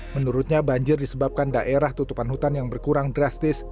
menurutnya banjir disebabkan daerah tutupan hutan yang berkurang drastis